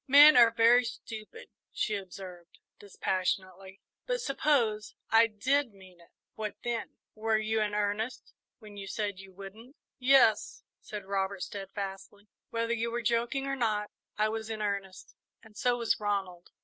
"Men are very stupid," she observed, dispassionately; "but suppose I did mean it what then? Were you in earnest when you said you wouldn't?" "Yes," said Robert, steadfastly; "whether you were joking or not, I was in earnest, and so was Ronald."